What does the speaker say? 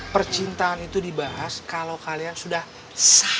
percintaan itu dibahas kalau kalian sudah sah